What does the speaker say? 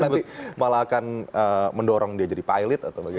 tapi malah akan mendorong dia jadi pilot atau bagaimana